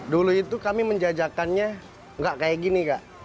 dulu itu kami menjajakannya nggak kayak gini kak